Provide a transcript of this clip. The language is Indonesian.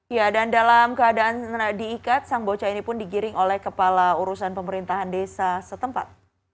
ya dan dalam keadaan diikat sang bocah ini pun digiring oleh kepala urusan pemerintahan desa setempat